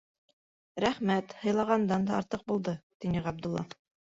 - Рәхмәт, һыйланғандан да артыҡ булды, - тине Ғабдулла.